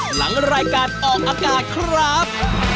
หลังรายการออกอากาศครับ